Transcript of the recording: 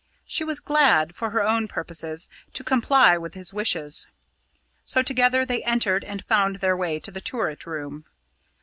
She was glad, for her own purposes, to comply with his wishes. So together they entered, and found their way to the turret room.